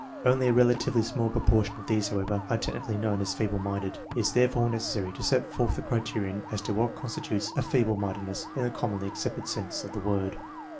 Only a relatively small proportion of these, however, are technically known as feeble minded. It is therefore necessary to set forth the criterion as to what constitutes a feeblc inindedness in the commonly accepted sense of that word.